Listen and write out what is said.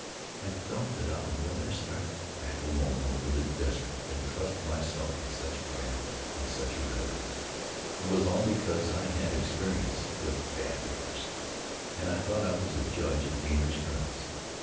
I felt that I would rather start back alone over the desert than trust myself in such a craft, on such a river. And it was all because I had had experience with bad rivers, and thought I was a judge of dangerous currents.